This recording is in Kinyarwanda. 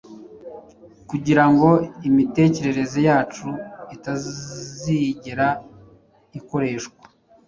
kugira ngo imitekerereze yacu itazigera ikoreshwa